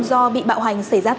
do bị bạo hành xảy ra tại thành phố